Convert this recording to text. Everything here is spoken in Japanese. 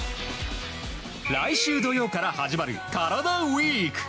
来週土曜から始まるカラダＷＥＥＫ。